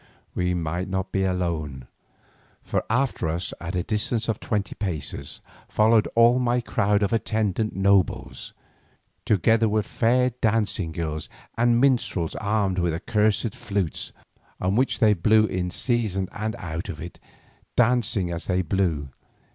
we might not be alone, for after us at a distance of twenty paces followed all my crowd of attendant nobles, together with fair dancing girls and minstrels armed with their accursed flutes, on which they blew in season and out of it, dancing as they blew.